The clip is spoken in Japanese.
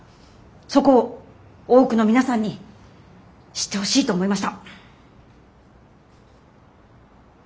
そこを多くの皆さんに知ってほしいと思いました。